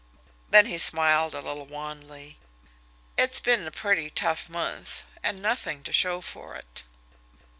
Then he smiled a little wanly. "It's been a pretty tough month and nothing to show for it!"